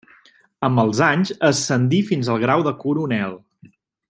Amb els anys ascendí fins al grau de coronel.